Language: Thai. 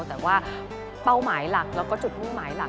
แต่ว่าเป้าหมายหลักแล้วก็จุดมุ่งหมายหลัก